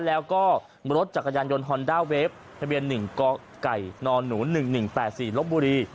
แล้วก็รถจักรยานยนต์ฮอนด้าเวฟทะเบียน๑กไก่นหนู๑๑๘๔ลบบุรี